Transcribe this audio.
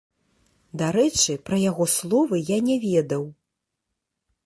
Дарэчы, пра яго словы я не ведаў.